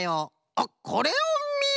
あっこれをみよ！